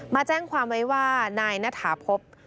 มาแจ้งความไว้ว่านายณฐาพบ